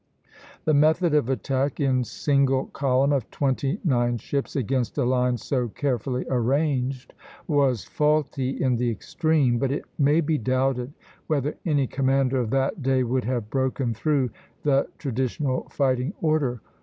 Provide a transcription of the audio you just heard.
The method of attack, in single column of twenty nine ships against a line so carefully arranged, was faulty in the extreme; but it may be doubted whether any commander of that day would have broken through the traditional fighting order.